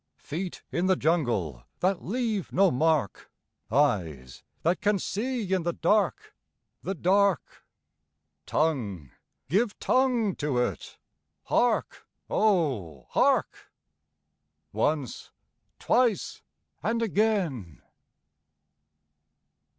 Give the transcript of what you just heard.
Feet in the jungle that leave no mark! Eyes that can see in the dark the dark! Tongue give tongue to it! Hark! O hark! Once, twice and again!